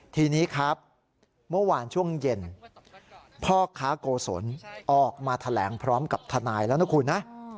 ทีนี้ครับเมื่อวานช่วงเย็นพ่อค้าโกศลออกมาแถลงพร้อมกับทนายแล้วนะคุณนะ